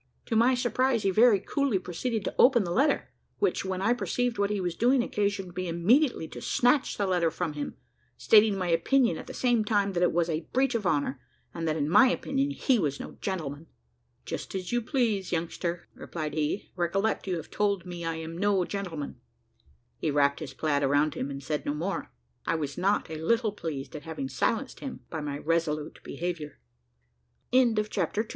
To my surprise he very coolly proceeded to open the letter, which, when I perceived what he was doing, occasioned me immediately to snatch the letter from him, stating my opinion at the same time that it was a breach of honour, and that in my opinion he was no gentleman. "Just as you please, youngster," replied he. "Recollect, you have told me I am no gentleman." He wrapped his plaid around him, and said no more; and I was not a little pleased at having silenced him by my resolute behaviour. CHAPTER THREE.